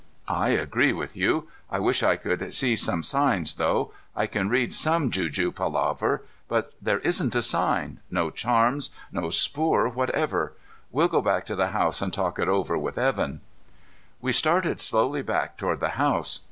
"I agree with you. I wish I could see some signs, though. I can read some juju palaver. But there isn't a sign. No charms, no spoor whatever. We'll go back to the house and talk it over with Evan." We started slowly back toward the house.